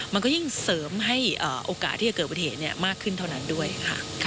มันก็ยิ่งเสริมให้โอกาสที่จะเกิดปฏิเหตุมากขึ้นเท่านั้นด้วยค่ะ